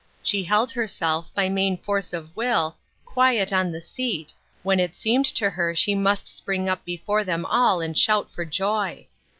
She held herself, by AT HOME. 335 main force of will, quiet on the seat, when it seemed to her she must spring up before them all and shout for joy.